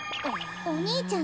お兄ちゃん